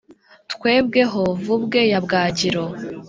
twebwe ho vubwe ya bwagiro,